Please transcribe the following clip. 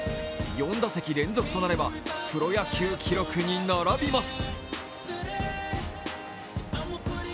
４打席連続となればプロ野球記録に並びます。